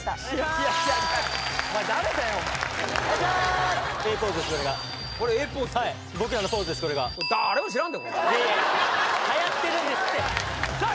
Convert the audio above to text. いやいやはやってるんですってさあ